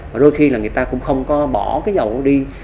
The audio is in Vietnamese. và đôi khi là người ta cũng không có bỏ cái dầu đi